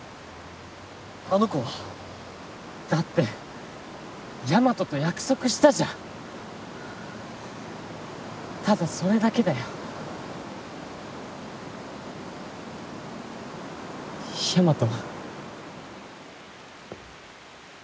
あの子は？だってヤマトと約束したじゃんただそれだけだよヤマト？